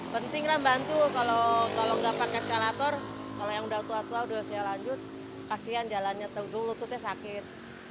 penting lah bantu kalau nggak pakai eskalator kalau yang udah tua tua udah usia lanjut kasihan jalannya teguh lututnya sakit